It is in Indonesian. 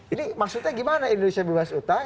ini maksudnya gimana indonesia bebas utang